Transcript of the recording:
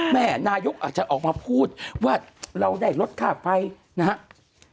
แม่นายกอาจจะออกมาพูดว่าเราได้ลดค่าไฟนะครับ